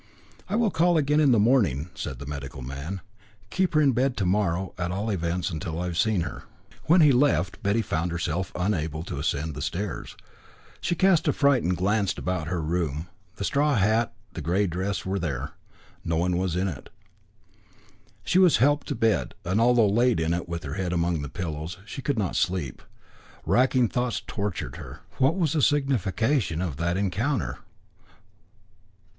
"I will call again in the morning," said the medical man; "keep her in bed to morrow, at all events till I have seen her." When he left, Betty found herself able to ascend the stairs. She cast a frightened glance about her room. The straw hat, the grey dress were there. No one was in it. She was helped to bed, and although laid in it with her head among the pillows, she could not sleep. Racking thoughts tortured her. What was the signification of that encounter?